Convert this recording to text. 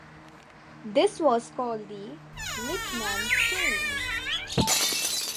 This was called the "litchman chain".